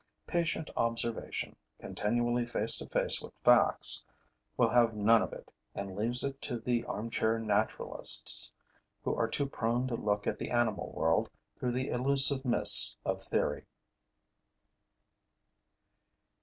Patient observation, continually face to face with facts, will have none of it and leaves it to the armchair naturalists, who are too prone to look at the animal world through the illusive mists of theory.